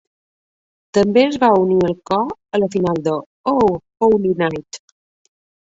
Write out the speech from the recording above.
També es va unir al cor a la final de "O Holy Night".